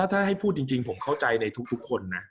ถ้าให้พูดจริงผมเข้าใจในทุกคนนะ